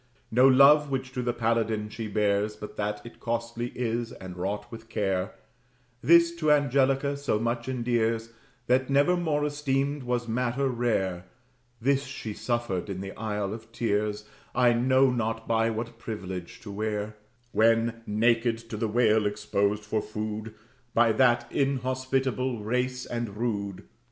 No love which to the paladin she bears, But that it costly is and wrought with care, This to Angelica so much endears, That never more esteemed was matter rare; This she was suffered, in the isle of tears, I know not by what privilege, to wear, When, naked, to the whale exposed for food By that inhospitable race and rude.